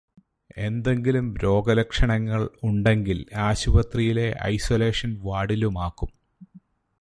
എന്തെങ്കിലും രോഗലക്ഷണങ്ങൾ ഉണ്ടെങ്കിൽ ആശുപത്രിയിലെ ഐസൊലേഷൻ വാർഡിലുമാക്കും.